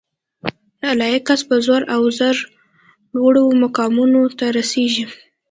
نالایق کسان په زور او زر لوړو مقامونو ته رسیږي